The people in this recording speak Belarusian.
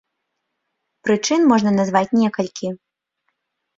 Прычын можна назваць некалькі.